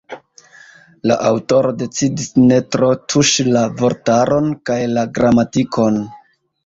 La aŭtoro decidis ne tro tuŝi la vortaron kaj la gramatikon.